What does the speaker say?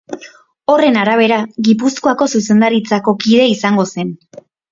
Horren arabera, Gipuzkoako Zuzendaritzako kide izango zen.